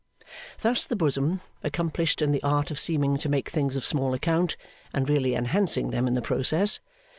Thus the Bosom; accomplished in the art of seeming to make things of small account, and really enhancing them in the process.